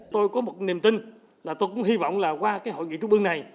tôi có một niềm tin là tôi cũng hy vọng là qua cái hội nghị trung ương này